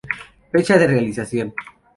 Fecha de realización